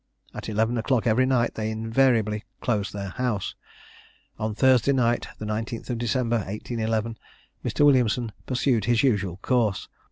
At eleven o'clock every night they invariably closed their house. On Thursday night, the 19th of December 1811, Mr. Williamson pursued his usual course.